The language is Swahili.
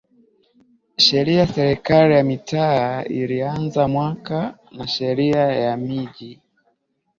Sheria ya Serikali za Mitaa zilianza mwaka na Sheria ya Miji